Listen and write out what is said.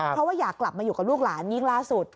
เพราะว่าอยากกลับมาอยู่กับลูกหลานยิ่งล่าสุด